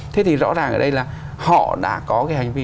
thế thì rõ ràng ở đây là họ đã có cái hành vi